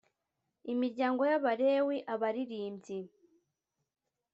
imiryango y abalewi abaririmbyi